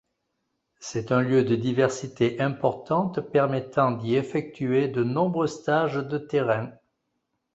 C'est un lieu de diversité importante permettant d'y effectuer de nombreux stages de terrains.